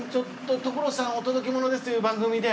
『所さんお届けモノです！』という番組で。